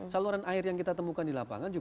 saluran air yang kita temukan di lapangan